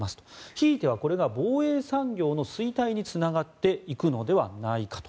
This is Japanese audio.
ひいては、これが防衛産業の衰退につながっていくのではないかと。